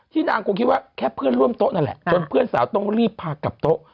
นางคงคิดว่าแค่เพื่อนร่วมโต๊ะนั่นแหละจนเพื่อนสาวต้องรีบพากลับโต๊ะ